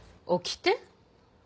おきて？